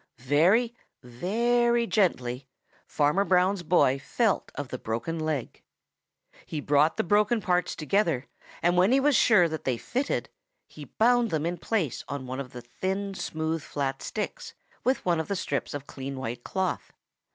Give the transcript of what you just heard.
Very, very gently Farmer Brown's boy felt of the broken leg. He brought the broken parts together, and when he was sure that they just fitted, he bound them in place on one of the thin, smooth, flat sticks with one of the strips of clean white cloth.